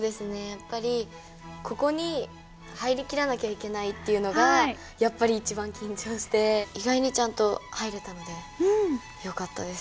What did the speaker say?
やっぱりここに入りきらなきゃいけないっていうのがやっぱり一番緊張して意外にちゃんと入れたのでよかったです。